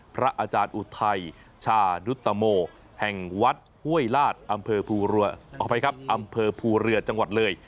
พระอาจารย์อุทัยชาดุตโตโมแห่งวัดห้วยราชอำเภอภูเรือจังหวัดเลื่อย